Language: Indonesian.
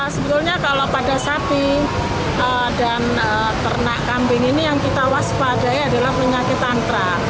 sebetulnya kalau pada sapi dan ternak kambing ini yang kita waspadai adalah penyakit antra